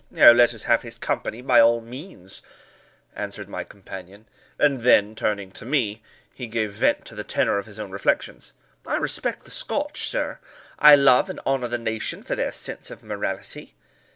"Let us have his company, by all means," answered my companion; and then, turning to me, he gave vent to the tenor of his own reflections. "I respect the Scotch, sir; I love and honour the nation for their sense of morality.